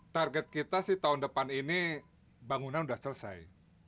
target kita sih tahun depan ini bangunan sudah selesai